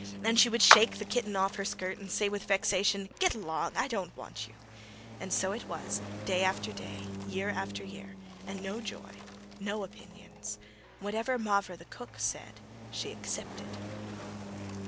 And she would shake the kitten off her skirt and say with vexation: "Get along; I don't want you!" And so it was, day after day and year after year, and no joy, and no opinions. Whatever Mavra, the cook, said she accepted.